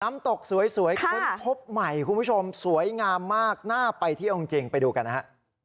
น้ำตกสวยค้นพบใหม่คุณผู้ชมสวยงามมากน่าไปเที่ยวจริงไปดูกันนะฮะ